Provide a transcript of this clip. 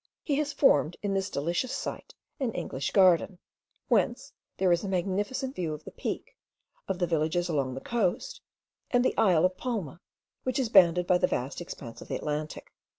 He has formed in this delicious site an English garden, whence there is a magnificent view of the Peak, of the villages along the coast, and the isle of Palma, which is bounded by the vast expanse of the Atlantic.